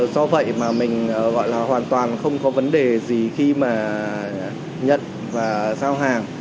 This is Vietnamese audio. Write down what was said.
do vậy mà mình gọi là hoàn toàn không có vấn đề gì khi mà nhận và giao hàng